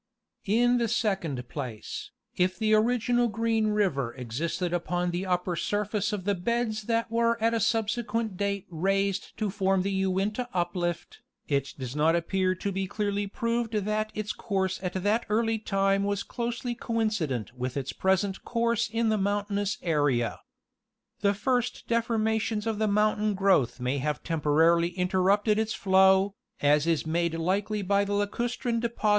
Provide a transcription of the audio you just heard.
In the second place, if the original Green river existed upon the upper surface of the beds that were at a subsequent date raised to form the Uinta uplift, it does not appear to be clearly proved that its course at that early time was closely coincident with its present course in the mountainous area. The first de formations of the mountain growth may have temporarily inter rupted its flow, as is made likely by the lacustrine deposits * Geol.